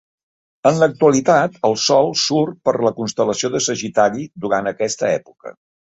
En l'actualitat, el Sol surt per la constel·lació de Sagitari durant aquesta època.